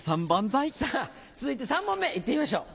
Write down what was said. さぁ続いて３問目行ってみましょう。